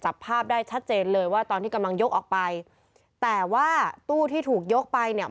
จับภาพได้ชัดเจนเลยว่าตอนที่กำลังยกออกไปแต่ว่าตู้ที่ถูกยกไปเนี่ย